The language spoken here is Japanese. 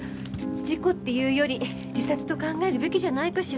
事故っていうより自殺と考えるべきじゃないかしら。